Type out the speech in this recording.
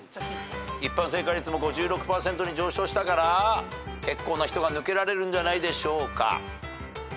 一般正解率も５６％に上昇したから結構な人が抜けられるんじゃないでしょうか。